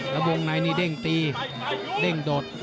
แล้ววงในนี่เด้งตีเด้งโดด